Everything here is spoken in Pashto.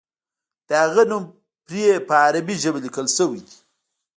د هغه نوم پرې په عربي ژبه لیکل شوی دی.